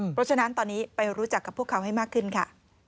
เพราะฉะนั้นตอนนี้ไปรู้จักกับพวกเขาให้มากขึ้นค่ะ